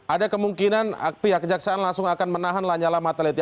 ada kemungkinan pihak kejaksaan langsung akan menahan lanyala mataliti